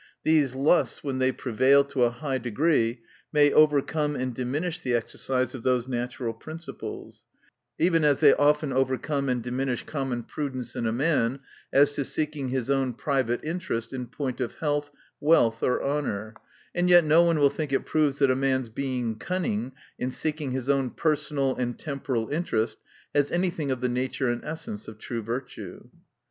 These lusts when they prevail to a high degree may overcome and diminish the exercise of those natural principles : even as they often overcome and diminish common prudence in a man, as to seeking his own private interest, in point of health, wealth or honor, and yet no one will think it proves that a man's being cunning, in seeking his own personal and tempo ral interest, has any thing of the nature and essence of true virtue.